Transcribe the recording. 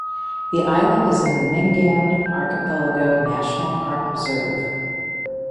The island is in the Mingan Archipelago National Park Reserve.